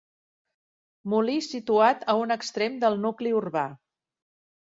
Molí situat a un extrem del nucli urbà.